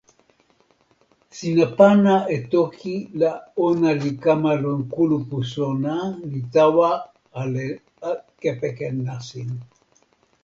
sina pana e toki la ona li kama lon kulupu sona li tawa ale kepeken nasin